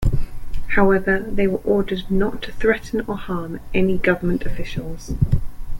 However, they were ordered not to threaten or harm any government officials.